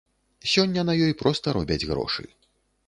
Сёння на ёй проста робяць грошы.